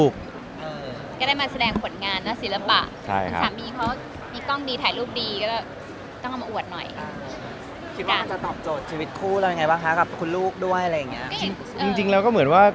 ก็ได้มาแสดงผลงานนะศิลปะ